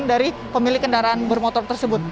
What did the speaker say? jadi ini adalah dari pemilik kendaraan bermotor tersebut